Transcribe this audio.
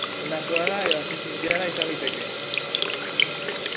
Naturala edo artifiziala izan liteke.